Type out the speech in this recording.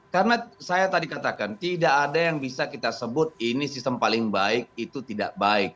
karena saya tadi katakan tidak ada yang bisa kita sebut ini sistem paling baik itu tidak baik